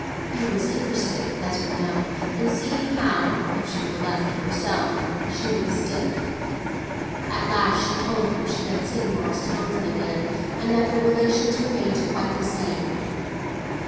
He was interested, as we know, in seeing how, if she were left to herself, she would "stick." At last she told him she had seen Morris Townsend again, and that their relations remained quite the same.